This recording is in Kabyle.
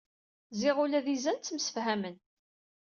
Ziɣ ula d izan ttemsefhamen.